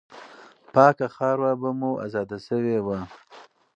پاکه خاوره به مو آزاده سوې وه.